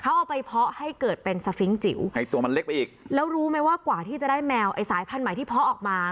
เขาเอาไปเพาะให้เกิดเป็นสฟิงค์จิ๋วให้ตัวมันเล็กไปอีกแล้วรู้ไหมว่ากว่าที่จะได้แมวไอ้สายพันธุ์ใหม่ที่เพาะออกมา